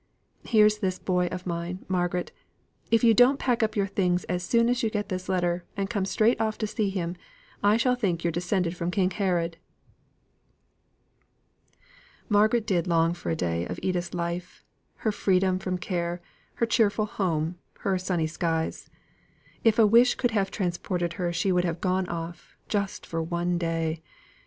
Here's this boy of mine, Margaret if you don't pack up your things as soon as you get this letter, and come straight off to see him, I shall think you're descended from King Herod!" Margaret did long for a day of Edith's life her freedom from care, her cheerful home, her sunny skies. If a wish could have transported her, she would have gone off; just for one day.